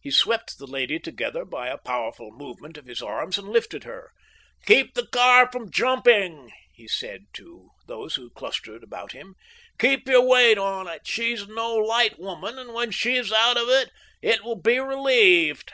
He swept the lady together by a powerful movement of his arms, and lifted her. "Keep the car from jumping," he said to those who clustered about him. "Keep your weight on it. She is no light woman, and when she is out of it it will be relieved."